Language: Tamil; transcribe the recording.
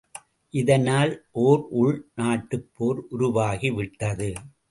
இதனால் ஓர் உள் நாட்டுபோர் உருவாகிவிட்டது.